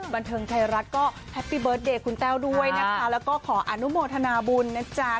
บันเทิงไทยรัฐก็แฮปปี้เบิร์ตเดย์คุณแต้วด้วยนะคะแล้วก็ขออนุโมทนาบุญนะจ๊ะ